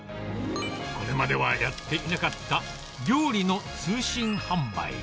これまではやっていなかった料理の通信販売。